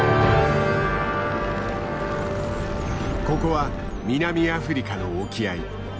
ここは南アフリカの沖合。